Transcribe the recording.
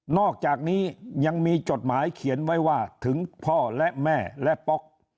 อกจากนี้ยังมีจดหมายเขียนไว้ว่าถึงพ่อและแม่และป๊อก